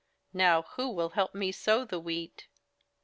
Now who will help me sow the wheat?"